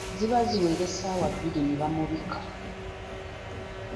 Ziba ziwera essaawa bbiri ne bamubika.